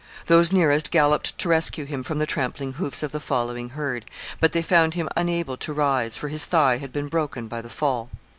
Those nearest galloped to rescue him from the trampling hoofs of the following herd, but they found him unable to rise, for his thigh had been broken by the fall.